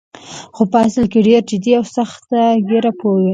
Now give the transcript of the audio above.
خو په اصل کې ډېر جدي او سخت ګیره پوه وې.